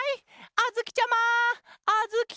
あづきちゃま！